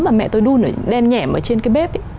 mà mẹ tôi đun ở đen nhẻm trên cái bếp